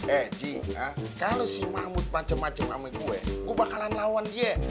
eh ji kalau si mahmud macam macam sama gue gue bakalan lawan dia